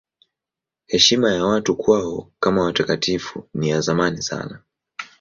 Heshima ya watu kwao kama watakatifu ni ya zamani sana.